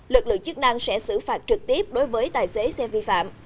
lực lượng chức năng sẽ xử phạt trực tiếp đối với tài xế xe vi phạm